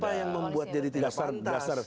apa yang membuat jadi tidak pantas